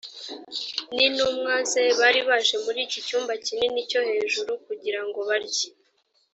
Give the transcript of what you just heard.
n intumwa ze bari baje muri iki cyumba kinini cyo hejuru kugira ngo barye